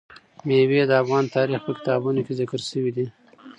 مېوې د افغان تاریخ په کتابونو کې ذکر شوی دي.